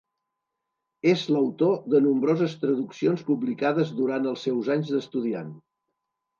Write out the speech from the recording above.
És l'autor de nombroses traduccions publicades durant els seus anys d'estudiant.